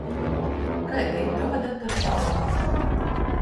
Kaida ir tova datora jauda?